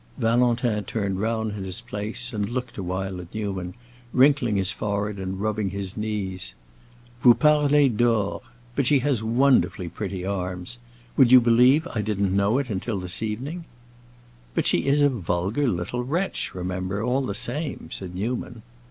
Valentin turned round in his place and looked a while at Newman, wrinkling his forehead and rubbing his knees. "Vous parlez d'or. But she has wonderfully pretty arms. Would you believe I didn't know it till this evening?" "But she is a vulgar little wretch, remember, all the same," said Newman.